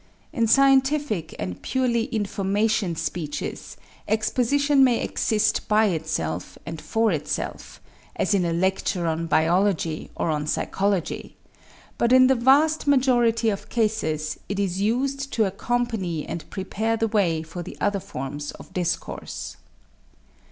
In scientific and purely "information" speeches exposition may exist by itself and for itself, as in a lecture on biology, or on psychology; but in the vast majority of cases it is used to accompany and prepare the way for the other forms of discourse.